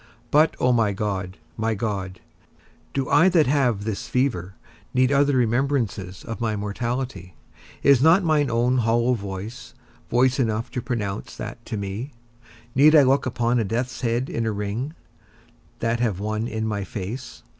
But, O my God, my God, do I that have this fever need other remembrances of my mortality? Is not mine own hollow voice, voice enough to pronounce that to me? Need I look upon a death's head in a ring, that have one in my face?